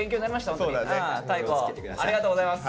大光ありがとうございます。